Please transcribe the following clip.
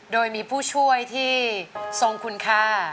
โดยมีผู้ช่วยที่ทรงคุณค่า